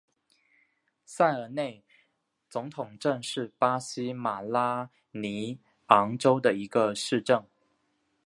萨尔内总统镇是巴西马拉尼昂州的一个市镇。